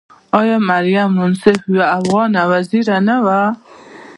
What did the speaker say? آیا مریم منصف یوه افغانه وزیره نه وه؟